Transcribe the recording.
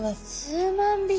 数万匹？